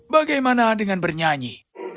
bagaimana dengan bernyanyi